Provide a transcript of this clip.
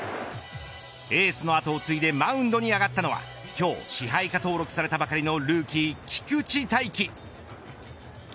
エースの後を継いでマウンドに上がったのは今日支配下登録されたばかりのルーキー菊地大稀。